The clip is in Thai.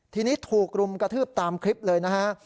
ทีนี้ถูกรุมกระทืบตามคลิปเลยนะฮะ